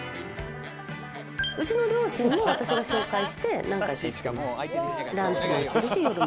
うちの両親も私が紹介して何回かランチに行って。